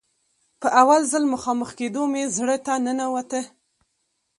په اول ځل مخامخ کېدو مې زړه ته ننوته.